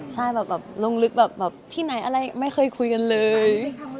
ใช่แบบลงลึกแบบที่ไหนอะไรไม่เคยคุยกันเลย